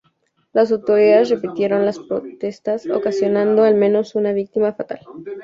Las autoridades reprimieron las protestas ocasionando al menos una víctima fatal.